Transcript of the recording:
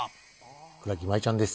倉木麻衣ちゃんです。